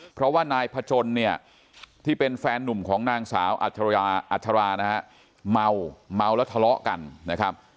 เพราะว่านายผจญที่เป็นแฟนนุ่มของนางสาวอัฐราเนี่ยเมาแล้วทะเลาะกันนะครับ